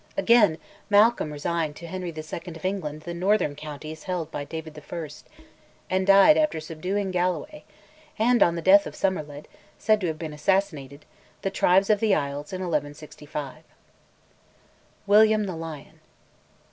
Again, Malcolm resigned to Henry II. of England the northern counties held by David I.; and died after subduing Galloway, and (on the death of Somerled, said to have been assassinated) the tribes of the isles in 1165. WILLIAM THE LION.